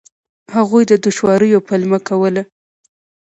هغوی د دوشواریو پلمه کوله.